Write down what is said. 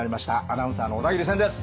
アナウンサーの小田切千です。